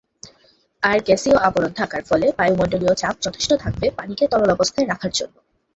আর গ্যাসীয় আবরণ থাকার ফলে বায়ুমন্ডলীয় চাপ যথেষ্ট থাকবে পানিকে তরলবস্থায় রাখার জন্য।